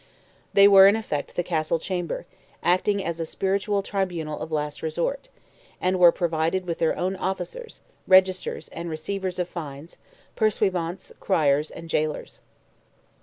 They were, in effect, the Castle Chamber, acting as a spiritual tribunal of last resort; and were provided with their own officers, Registers and Receivers of Fines, Pursuivants, Criers and Gaolers.